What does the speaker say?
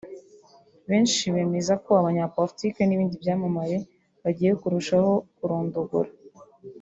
benshi bemeza ko abanyapolitiki n’ibindi byamamare bagiye kurushaho kurondogora